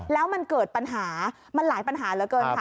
แล้วมันเกิดปัญหามันหลายปัญหาเหลือเกินค่ะ